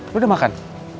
lo udah makan